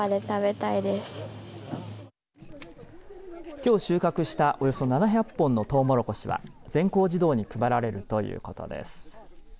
きょう収穫したおよそ７００本のトウモロコシは全校児童に配られるということです。